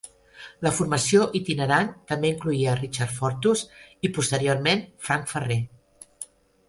La formació itinerant també incloïa Richard Fortus i, posteriorment, Frank Ferrer.